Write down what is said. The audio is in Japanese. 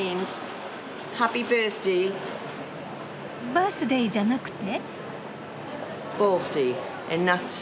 バースデイじゃなくて？